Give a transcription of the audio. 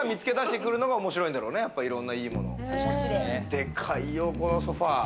でかいよ、このソファ。